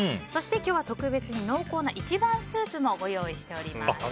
そして今日は特別に濃厚な一番スープもご用意しています。